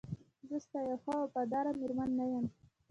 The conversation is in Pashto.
زه ستا یوه ښه او وفاداره میرمن نه یم؟